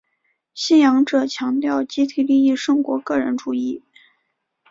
信仰者强调集体利益胜过个人主义。